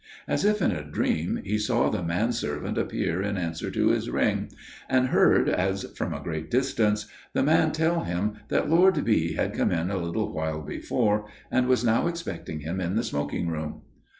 As if in a dream he saw the manservant appear in answer to his ring, and heard, as from a great distance, the man tell him that Lord B. had come in a little while before, and was now expecting him in the smoking room.